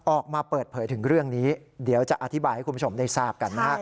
ออกมาเปิดเผยถึงเรื่องนี้เดี๋ยวจะอธิบายให้คุณผู้ชมได้ทราบกันนะฮะ